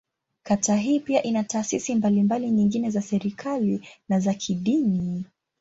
Kata hii pia ina taasisi mbalimbali nyingine za serikali, na za kidini.